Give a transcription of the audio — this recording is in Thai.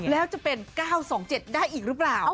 แล้วจะเป็น๙๒๗ได้อีกหรือเปล่า